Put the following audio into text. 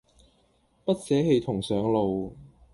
不捨棄同上路